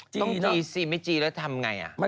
จีไม่จีแล้วทำไงอะ